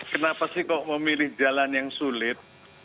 kenapa sih kok memilih jalan yang sulit